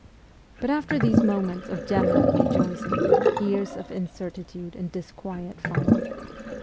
But after these moments of general rejoicing years of incertitude and disquiet followed.